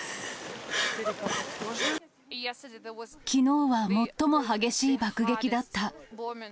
きのうは最も激しい爆撃だった。